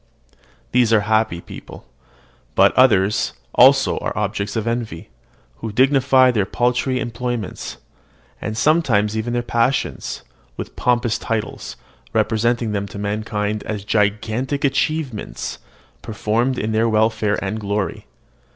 These are certainly happy beings; but others also are objects of envy, who dignify their paltry employments, and sometimes even their passions, with pompous titles, representing them to mankind as gigantic achievements performed for their welfare and glory.